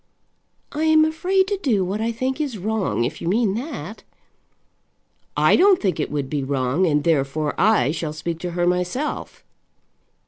"I am afraid to do what I think is wrong, if you mean that." "I don't think it would be wrong, and therefore I shall speak to her myself."